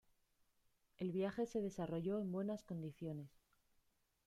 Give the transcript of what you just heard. El viaje se desarrolló en buenas condiciones.